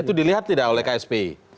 itu dilihat tidak oleh ksp